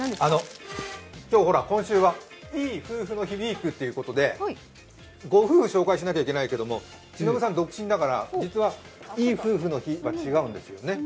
今週はいい夫婦の日ウィークということでご夫婦を紹介しないといけないけどしのぶさん独身だから実はいい夫婦の日は違うんですよね。